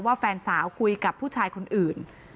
แฟนสาวคุยกับผู้ชายคนอื่น